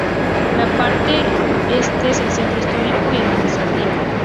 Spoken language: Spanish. La parte este es el centro histórico y administrativo.